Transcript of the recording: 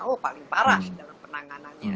oh paling parah dalam penanganannya